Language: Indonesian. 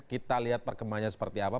kita lihat perkembangannya seperti apa